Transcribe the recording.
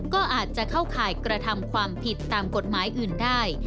ก็อาจจะเข้าข่ายกระทำความผิดตามกฎหมายอื่นได้